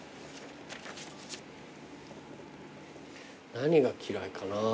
何が嫌いかな。